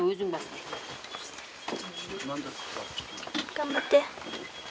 頑張って。